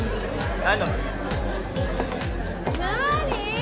何？